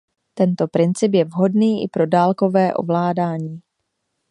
Tento princip je vhodný i pro dálkové ovládání.